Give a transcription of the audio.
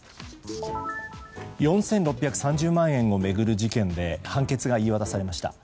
４６３０万円を巡る事件で判決が言い渡されました。